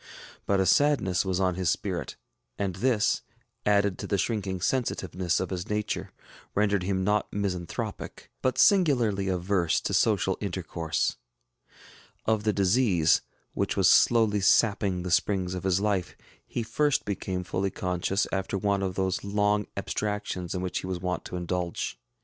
But a sadness was on his spirit; and this, added to the shrinking sensitiveness of his nature, rendered him not misanthropic, but singularly averse to social intercourse. Of the disease, which was slowly sapping the springs of his life, he first became fully conscious after one of those long abstractions in which he was wont to indulge.